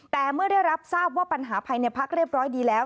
แต่เมื่อได้รับทราบว่าปัญหาภายในพักเรียบร้อยดีแล้ว